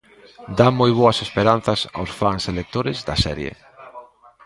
Dá moi boas esperanzas aos fans e lectores da serie.